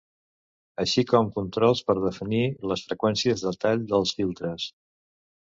Així com controls per definir les freqüències de tall dels filtres.